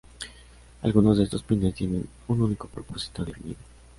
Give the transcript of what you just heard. Algunos de estos pines tienen un único propósito definido.